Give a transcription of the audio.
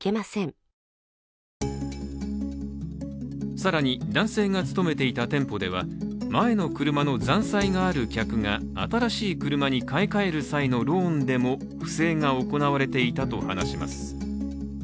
更に、男性が勤めていた店舗では前の車の残債がある客が、新しい車に買い替える際のローンでも不正が行われていたと話します。